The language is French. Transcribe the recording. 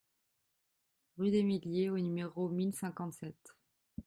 Rue des Mesliers au numéro mille cinquante-sept